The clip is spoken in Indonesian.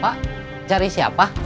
pak cari siapa